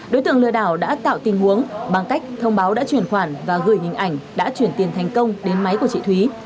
đối tượng lừa đảo đã tạo tình huống bằng cách thông báo đã chuyển khoản và gửi hình ảnh đã chuyển tiền thành công đến máy của chị thúy